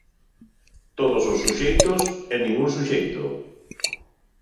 Todos os suxeitos e ningún suxeito.